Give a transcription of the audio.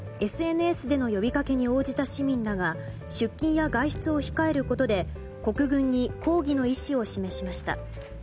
ＳＮＳでの呼びかけに応じた市民らが出勤や外出を控えることで国軍に抗議の意思を示しました。